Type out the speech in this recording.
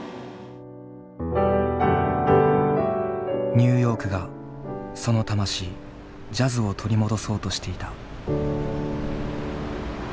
ニューヨークがその魂ジャズを取り戻そうとしていた。